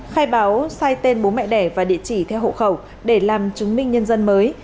khai báo sai tên bố mẹ đẻ và địa chỉ theo hộ khẩu để làm chứng minh nhân dân mới